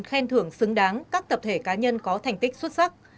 khen thưởng xứng đáng các tập thể cá nhân có thành tích xuất sắc